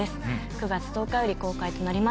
９月１０日より公開となります。